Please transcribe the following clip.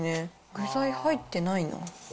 具材、入ってないな。